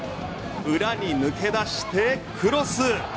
裏に抜け出してクロス。